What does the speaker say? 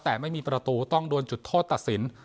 แต่ไม่มีประตูต้องโดนจุดโทษตัดสิน